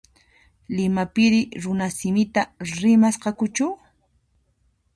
Limapiri runasimita rimasqakuchu?